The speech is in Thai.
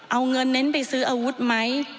เอาเงินเน้นไปซื้ออาวุธไหม